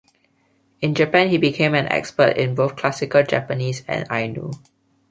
In Japan he became an expert in both classical Japanese and Ainu.